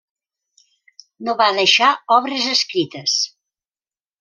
No va deixar obres escrites.